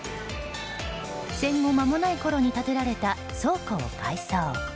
戦後間もないころに建てられた倉庫を改装。